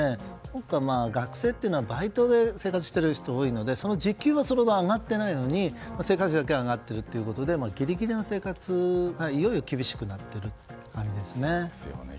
あとは学生はバイトで生活している人が多いのでその時給はそれほど上がっていないのに生活費だけが上がっているということで、ぎりぎりの生活がいよいよ厳しくなっている感じですね。